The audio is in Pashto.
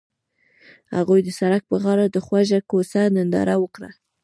هغوی د سړک پر غاړه د خوږ کوڅه ننداره وکړه.